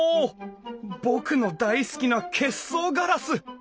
僕の大好きな結霜ガラス！